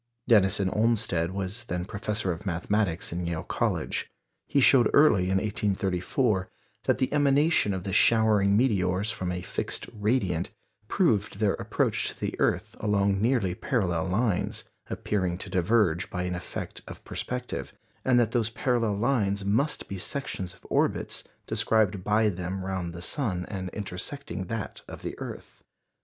Denison Olmsted was then Professor of Mathematics in Yale College. He showed early in 1834 that the emanation of the showering meteors from a fixed "radiant" proved their approach to the earth along nearly parallel lines, appearing to diverge by an effect of perspective; and that those parallel lines must be sections of orbits described by them round the sun and intersecting that of the earth.